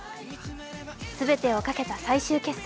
全てをかけた最終決戦。